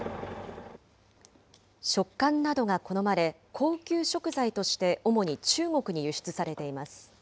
食感などが好まれ、高級食材として主に中国に輸出されています。